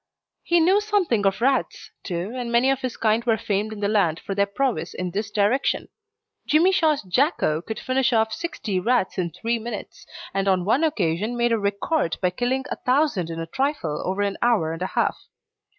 He knew something of rats, too, and many of his kind were famed in the land for their prowess in this direction. Jimmy Shaw's Jacko could finish off sixty rats in three minutes, and on one occasion made a record by killing a thousand in a trifle over an hour and a half.